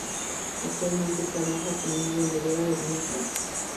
Actualmente trabaja como una vendedora de bienes raíces.